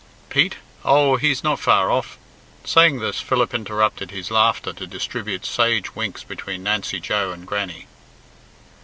"Pete! oh! he's not far off." Saying this, Philip interrupted his laughter to distribute sage winks between Nancy Joe and Grannie.